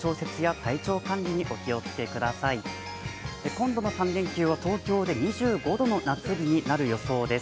今度の３連休は東京で２５度の夏日になる予想です。